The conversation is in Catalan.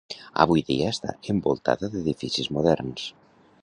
Avui dia està envoltada d'edificis moderns.